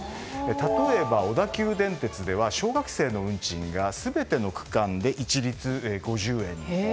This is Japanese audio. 例えば、小田急電鉄では小学生の運賃が全ての区間で一律５０円に。